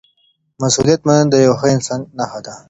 مسؤلیت منل د یو ښه انسان نښه ده.